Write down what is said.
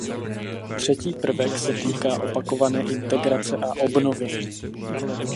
Třetí prvek se týká opakované integrace a obnovy.